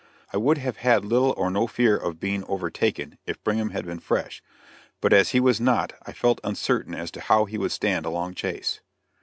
I would have had little or no fear of being overtaken if Brigham had been fresh; but as he was not, I felt uncertain as to how he would stand a long chase.